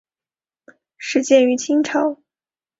始建于清朝。